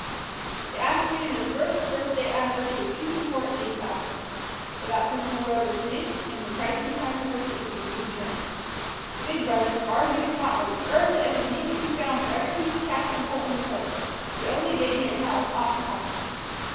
The afternoon of the first birthday anniversary two important things happened: the baptismal robe was finished and the christening controversy took a new turn. The big brothers, arguing hotly, urged that if a name could be found for every new calf and colt on the place, the only baby in the house ought to have one.